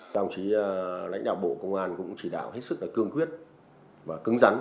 đồng chí lãnh đạo bộ công an cũng chỉ đạo hết sức là cương quyết và cứng rắn